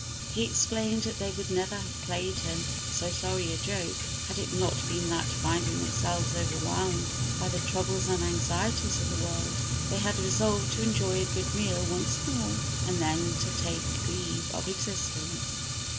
He explained that they would never have played him so sorry a joke had it not been that, finding themselves overwhelmed by the troubles and anxieties of the world, they had resolved to enjoy a good meal once more, and then to take leave of existence.